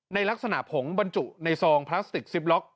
ในลักษณะผงบรรจุในซองพลาสติกซิปล็อก